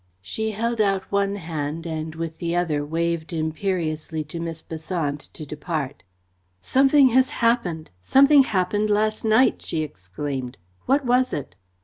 She held out one hand and with the other waved imperiously to Miss Besant to depart. "Something has happened something happened last night!" she exclaimed. "What was it?"